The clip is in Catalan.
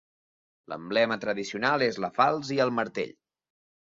L'emblema tradicional és la falç i el martell.